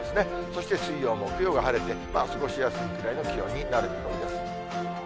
そして水曜、木曜が晴れて、過ごしやすいくらいの気温になる見込みです。